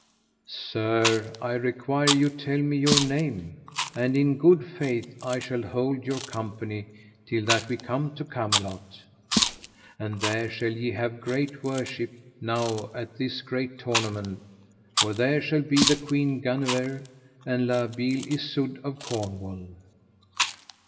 Sir, I require you tell me your name, and in good faith I shall hold you company till that we come to Camelot; and there shall ye have great worship now at this great tournament; for there shall be the Queen Guenever, and La Beale Isoud of Cornwall.